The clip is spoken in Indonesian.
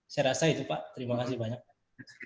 saya rasa itu pak terima kasih banyak